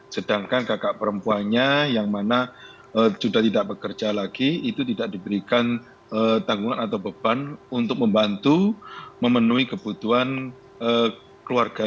sedangkan kakak perempuannya yang mana sudah tidak bekerja lagi itu tidak diberikan tanggungan atau beban untuk membantu memenuhi kebutuhan keluarga